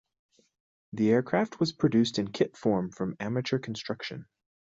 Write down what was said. The aircraft was produced in kit form for amateur construction.